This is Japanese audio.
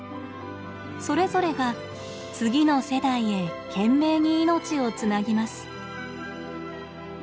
それぞれが次の世代へ懸命に命をつなぎます。